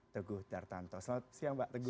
teguh dartanto selamat siang pak teguh